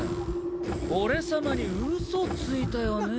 俺様にウソついたよね？